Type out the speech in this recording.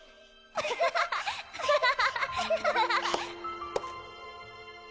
アハハハハハ